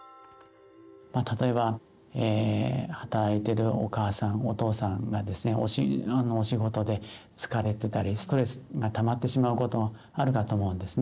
例えば働いてるお母さんお父さんがですねお仕事で疲れてたりストレスがたまってしまうことあるかと思うんですね。